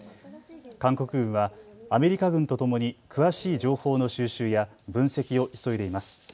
韓国軍はアメリカ軍とともに詳しい情報の収集や分析を急いでいます。